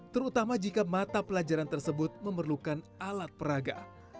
terutama jika mata pelajaran tersebut memerlukan alat peraga